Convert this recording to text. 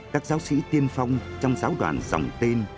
các giáo sĩ tiên phong trong giáo đoàn dòng tên